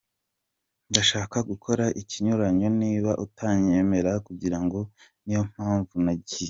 Ndashaka gukora ikinyuranyo, niba utanyemerera kugikora, niyo mpamvu nagiye.”